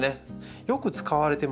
よく使われてますのがね